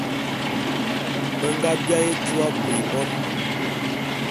A nga biaé etua abui bon.